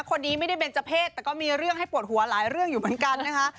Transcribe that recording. คนนี้ไม่ได้เบนเจอร์เพศแต่ก็มีเรื่องให้ปวดหัวหลายเรื่องอยู่เหมือนกันนะคะ